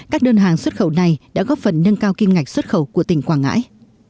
các đơn hàng xuất khẩu này đã góp phần nâng cao kim ngạch xuất khẩu của tỉnh quảng ngãi